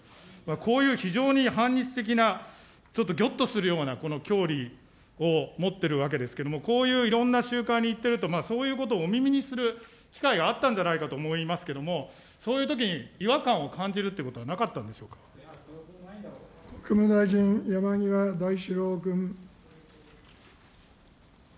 こういう非常に反日的な、ちょっとぎょっとするようなこの教義を持っているわけですけれども、こういういろんな集会に行っていると、そういうことをお耳にする機会、あったんじゃないかと思いますけれども、そういうときに、違和感を感じるということはなかっ国務大臣、山際大志郎君。